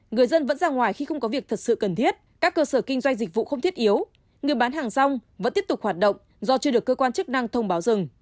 người dân vẫn ra ngoài khi không có việc thật sự cần thiết các cơ sở kinh doanh dịch vụ không thiết yếu người bán hàng rong vẫn tiếp tục hoạt động do chưa được cơ quan chức năng thông báo dừng